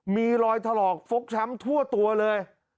มีรอยถลอกฟกช้ำทั่วตัวเลย